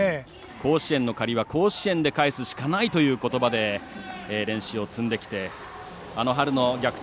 甲子園の借りは甲子園で返すしかないということばで練習を積んできて春の逆転